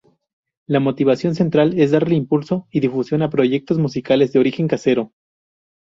La motivación central es darle impulso y difusión a proyectos musicales de origen casero.